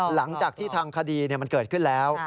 หลังจากที่ทางคดีมันเกิดขึ้นแล้ว